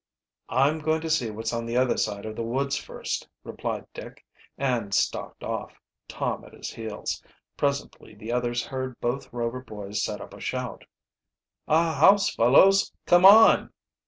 "I'm going to see what's on the other side of the woods first," replied Dick, and stalked off, Tom at his heels. Presently the others heard both Rover boys set up a shout. "A house, fellows! Come on!"